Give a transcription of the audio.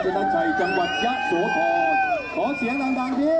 มีโบไทยด้วยนะ